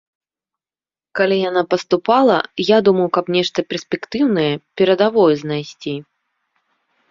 Калі яна паступала, я думаў, каб нешта перспектыўнае, перадавое знайсці.